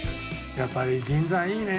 やっぱり銀座はいいね。